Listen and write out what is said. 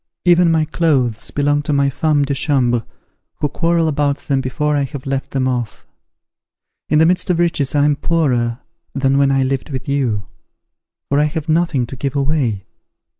Even my clothes belong to my femmes de chambre, who quarrel about them before I have left them off. In the midst of riches I am poorer than when I lived with you; for I have nothing to give away.